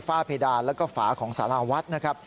เพดานแล้วก็ฝาของสาราวัดนะครับ